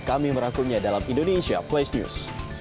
kami merangkumnya dalam indonesia flash news